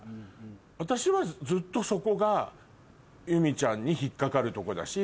私はずっとそこが祐実ちゃんに引っ掛かるとこだし。